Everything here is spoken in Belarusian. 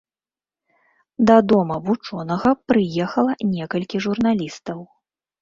Да дома вучонага прыехала некалькі журналістаў.